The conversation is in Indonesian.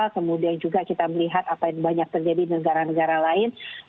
kemudian juga kita melihat apa yang banyak terjadi di negara negara lain